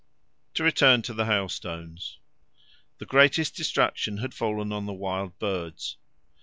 To return to the hailstones. The greatest destruction had fallen on the wild birds.